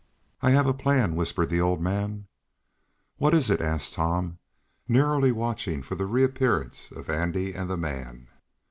"I have a plan," whispered the odd man. "What is it?" asked Tom, narrowly watching for the reappearance of Andy and the man.